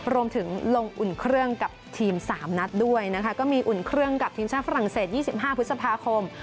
รวมถึงลงอุ่นเครื่องกับทีม๓นัดด้วยนะคะก็มีอุ่นเครื่องกับทีมชาติฝรั่งเศส๒๕พฤษภาคม